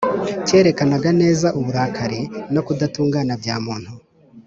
cyerekanaga neza uburakari no kudatungana bya muntu